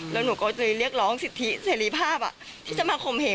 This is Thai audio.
แล้วหนูก็จะเรียกร้องสิทธิเสรีภาพที่จะมาคมเห